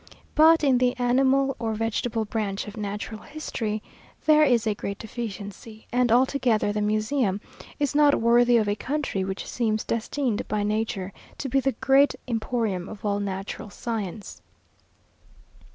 But in the animal or vegetable branch of natural history there is a great deficiency, and altogether the museum is not worthy of a country which seems destined by nature to be the great emporium of all natural science.